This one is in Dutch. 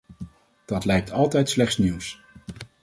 Dat lijkt altijd slechts nieuws.